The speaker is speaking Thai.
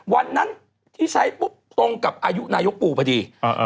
วันนั้นที่ใช้ปุ๊บตรงกับอายุนายกปู่พอดี